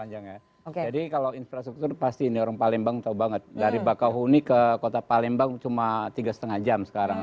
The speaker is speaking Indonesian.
jadi kalau infrastruktur pasti ini orang palembang tau banget dari bakau huni ke kota palembang cuma tiga lima jam sekarang